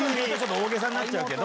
大げさになっちゃうけど。